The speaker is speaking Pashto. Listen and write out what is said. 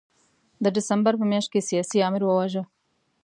د ډسمبر په میاشت کې سیاسي آمر وواژه.